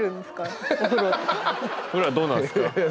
ふだんどうなんですか？